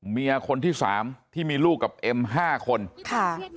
เมียคนที่สามที่มีลูกกับเอ็มห้าคนค่ะ